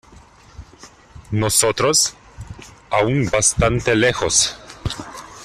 nosotros, aún bastante lejos ,